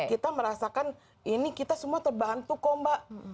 kita merasakan ini kita semua terbantu kok mbak